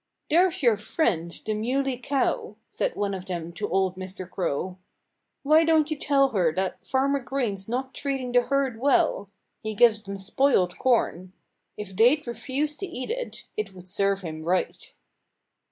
"There's your friend, the Muley Cow," said one of them to old Mr. Crow. "Why don't you tell her that Farmer Green's not treating the herd well? He gives them spoiled corn. If they'd refuse to eat it, it would serve him right."